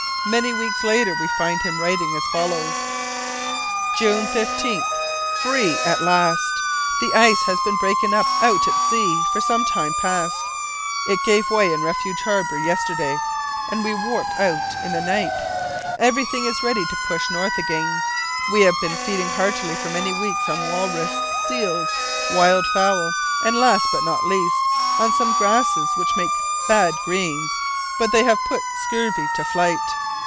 Many weeks later we find him writing as follows: "June 15th. Free at last! The ice has been breaking up out at sea for some time past. It gave way in Refuge Harbour yesterday, and we warped out in the night. Everything is ready to push north again. We have been feeding heartily for many weeks on walrus, seals, wild fowl, and last, but not least, on some grasses which make bad greens, but they have put scurvy to flight.